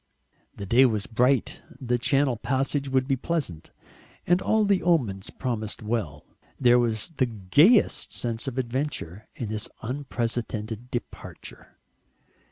The day was bright, the Channel passage would be pleasant, and all the omens promised well. There was the gayest sense of adventure in this unprecedented departure.